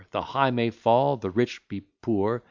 The high may fall, the rich be poor.